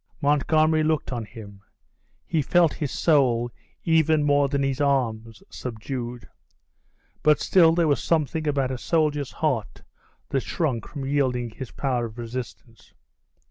Montgomery looked on him; he felt his soul, even more than his arms, subdued; but still there was something about a soldier's heart that shrunk from yielding his power of resistance.